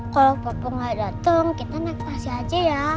kalau papa gak dateng kita naik pas aja ya